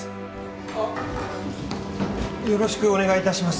あッよろしくお願いいたします